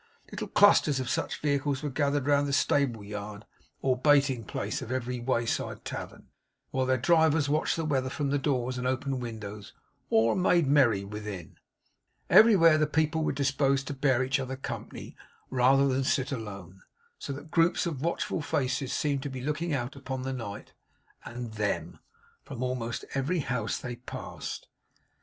Little clusters of such vehicles were gathered round the stable yard or baiting place of every wayside tavern; while their drivers watched the weather from the doors and open windows, or made merry within. Everywhere the people were disposed to bear each other company rather than sit alone; so that groups of watchful faces seemed to be looking out upon the night AND THEM, from almost every house they passed.